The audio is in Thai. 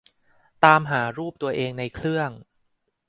ตามหารูปตัวเองในเครื่อง